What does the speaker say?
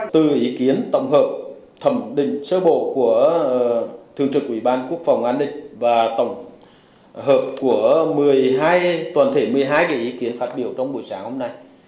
từ ý kiến tổng hợp thẩm định sơ bộ của thượng trực ủy ban quốc phòng an ninh và tổng hợp của toàn thể một mươi hai cái ý kiến phát biểu trong buổi sáng hôm nay